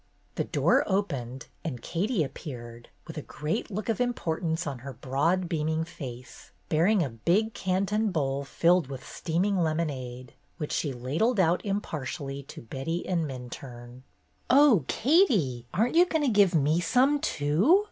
The door opened, and Katie appeared, with a great look of importance on her broad, beaming face, bearing a big Canton bowl filled with steaming lemonade, which she ladled out impartially to Betty and Minturne. "Oh, Katie, aren't you going to give me some too